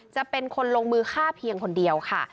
จะเป็นคนลงมือฆ่าเพียงคนเดียวค่ะ